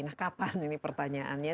nah kapan ini pertanyaannya